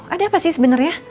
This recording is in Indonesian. ada apa sih sebenernya